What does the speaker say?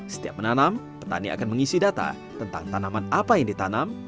setiap menanam petani akan mengisi data tentang tanaman apa yang ditanam